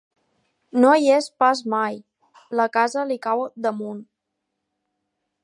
No hi és pas mai; la casa li cau damunt.